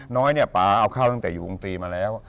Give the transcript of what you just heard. น้อยเนี่ยป่าเอาข้าวตั้งแต่อยู่วงตรีมาแล้ว